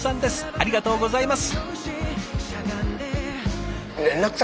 ありがとうございます。